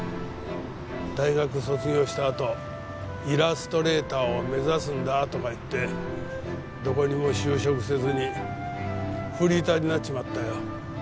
大学卒業したあとイラストレーターを目指すんだとか言ってどこにも就職せずにフリーターになっちまったよ。